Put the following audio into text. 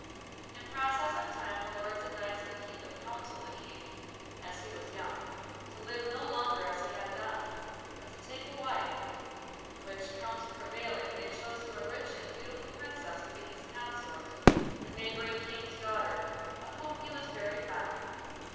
In process of time the lords and knights of the kingdom counselled the King (as he was young) to live no longer as he had done, but to take a wife; which counsel prevailing, they chose him a rich and beautiful princess to be his consort—a neighbouring King's daughter, of whom he was very fond.